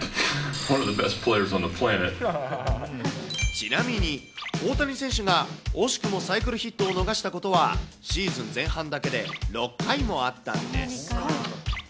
ちなみに、大谷選手が惜しくもサイクルヒットを逃したことは、シーズン前半だけで６回もあったんです。